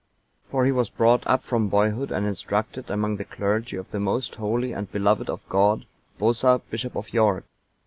For he was brought up from boyhood and instructed among the clergy of the most holy and beloved of God, Bosa, bishop of York.